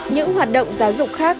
những hoạt động giáo dục khác